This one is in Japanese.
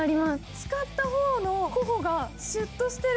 使った方の頬がシュッとしてる。